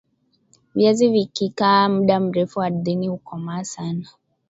viazi vikikaa mda mrefu ardhini kukomaa sana